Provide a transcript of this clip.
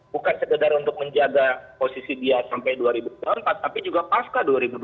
bukan sekedar untuk menjaga posisi dia sampai dua ribu dua puluh empat tapi juga pasca dua ribu dua puluh